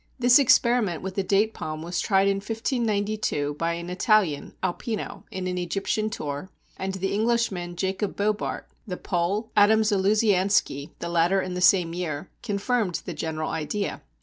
This experiment with the Date palm was tried in 1592 by an Italian (Alpino) in an Egyptian tour, and the Englishman, Jacob Bobart, the Pole, Adam Zaluzianski (the latter in the same year) confirmed the general idea.